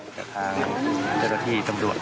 กับทางเจ้าหน้าที่ตำรวจ